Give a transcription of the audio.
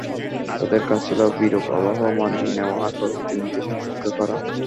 তাদের কাজ ছিল বিরূপ আবহাওয়ায় মানিয়ে নেওয়া আর পরবর্তী নির্দেশের অপেক্ষা করা।